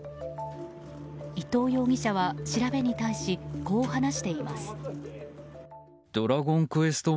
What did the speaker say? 伊藤容疑者は調べに対しこう話しています。